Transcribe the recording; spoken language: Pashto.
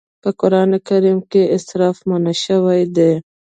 په قرآن کريم کې اسراف منع شوی دی.